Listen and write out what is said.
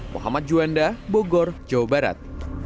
mohamad juwenda bogor jawa barat